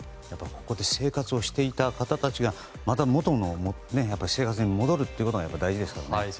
ここで生活していた方たちがまた、元の生活に戻るということが大事ですからね。